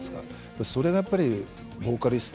それがやっぱりボーカリスト。